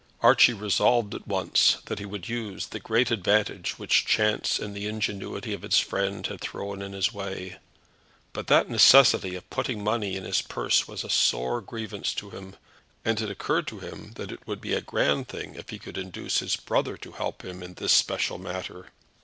Archie resolved at once that he would use the great advantage which chance and the ingenuity of his friend had thrown in his way; but that necessity of putting money in his purse was a sore grievance to him, and it occurred to him that it would be a grand thing if he could induce his brother to help him in this special matter.